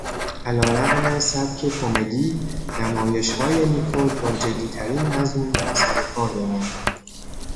علیرغم سبک کمدی، نمایشهای «نیکول» با جدیترین مضمونها سروکار دارند.